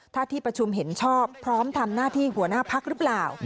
ถ้าที่ประชุมเห็นชอบพร้อมทำหน้าที่หัวหน้าพักหรือเปล่า